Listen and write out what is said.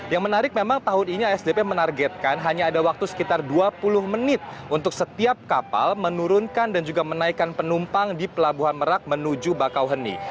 yang menarik memang tahun ini asdp menargetkan hanya ada waktu sekitar dua puluh menit untuk setiap kapal menurunkan dan juga menaikkan penumpang di pelabuhan merak menuju bakauheni